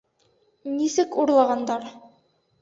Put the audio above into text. Нисек урлағандар?